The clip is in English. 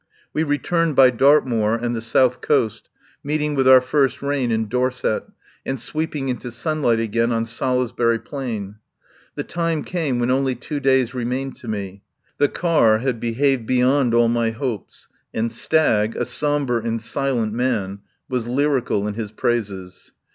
We returned by Dartmoor and the south coast, meeting with our first rain in Dorset, and sweeping into sunlight again on Salisbury Plain. The time came when only two days remained to me. The car had behaved beyond all my hopes, and Stagg, a sombre and silent man, was lyrical in his praises.